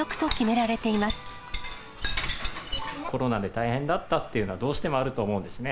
コロナで大変だったというのは、どうしてもあると思うんですね。